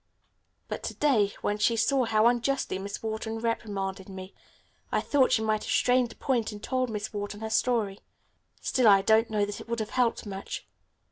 But, to day, when she saw how unjustly Miss Wharton reprimanded me I thought she might have strained a point and told Miss Wharton her story. Still I don't know that it would have helped much."